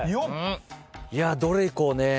いやどれいこうね。